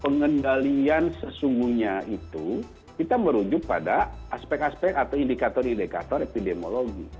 pengendalian sesungguhnya itu kita merujuk pada aspek aspek atau indikator indikator epidemiologi